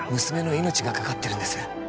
娘の命がかかってるんです